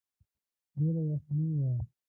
ډېره يخني وه.